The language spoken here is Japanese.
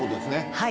はい。